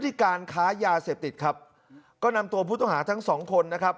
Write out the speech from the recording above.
ที่การค้ายาเสพติดครับก็นำตัวผู้ต้องหาทั้งสองคนนะครับ